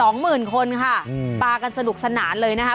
๒หมื่นคนค่ะปากันสนุกสนานเลยนะครับ